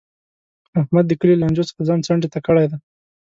احمد د کلي له لانجو څخه ځان څنډې ته کړی دی.